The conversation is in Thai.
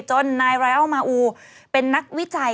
จนนายรายอ้าวมาอูเป็นนักวิจัย